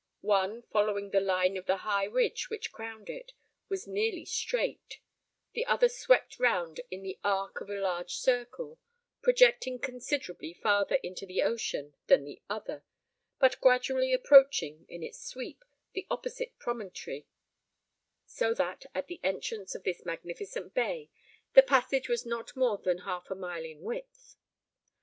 One, following the line of the high ridge which crowned it, was nearly straight; the other swept round in the arc of a large circle, projecting considerably farther into the ocean than the other, but gradually approaching, in its sweep, the opposite promontory; so that, at the entrance of this magnificent bay, the passage was not more than half a mile in width.